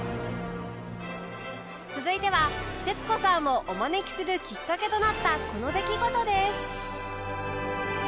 続いては徹子さんをお招きするきっかけとなったこの出来事です